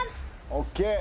ＯＫ。